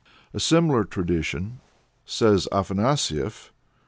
A similar tradition, says Afanasief (VIII.